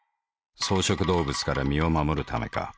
草食動物から身を護るためか。